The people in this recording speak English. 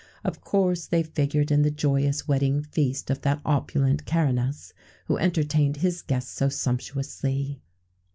[XVII 90] Of course they figured in the joyous wedding feast of that opulent Caranus who entertained his guests so sumptuously.